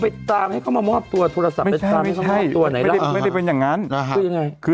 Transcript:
น่ารักมาก